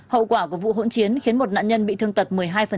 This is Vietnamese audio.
hậu quả của vụ hỗn chiến khiến một nạn nhân bị thương tật một mươi hai